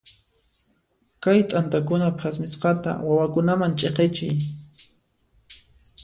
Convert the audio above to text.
Kay t'antakuna phasmisqata wawakunaman ch'iqichiy.